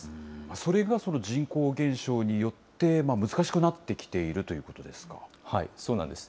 それがその人口減少によって、難しくなってきているということそうなんです。